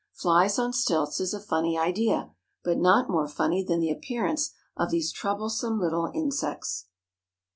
Flies on stilts is a funny idea, but not more funny than the appearance of these troublesome little insects.